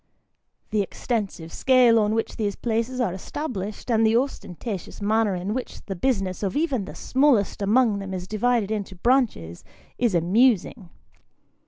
The extensive scale on which these places are established, and the ostentatious manner in which the business of even the smallest among them is divided into branches, is amusing.